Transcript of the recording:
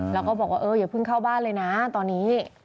แล้วก็บอกว่าเอออย่าเพิ่งเข้าบ้านเลยนะตอนนี้